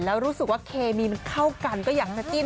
แล้วรู้สึกว่าเคมีมันเข้ากันก็อยากจะจิ้ม